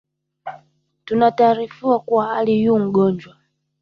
Tunaarifiwa kuwa Ali yu n’gonjwa